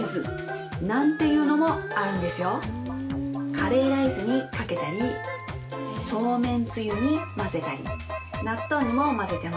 カレーライスにかけたりそうめんつゆに混ぜたり納豆にも混ぜてます。